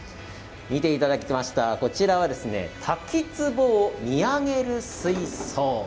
見ていただきました、こちらは滝つぼを見上げる水槽。